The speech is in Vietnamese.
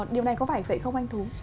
điều này có phải vậy không anh thú